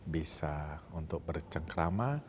bisa untuk bercengkrama